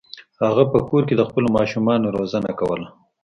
هغه په کور کې د خپلو ماشومانو روزنه کوله.